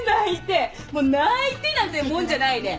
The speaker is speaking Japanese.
泣いてなんてもんじゃないね。